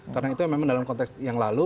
karena itu memang dalam konteks yang lalu